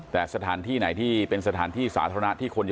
แต่สถานที่ไหนที่เป็นสถานที่สาธารณะที่คนจะ